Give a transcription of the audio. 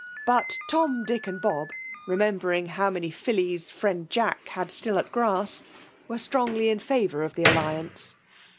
But Tom, Dick, and Bob, rcmem bering how many fillies friend Jack had still at grass, were strongly in favour of the alii anee.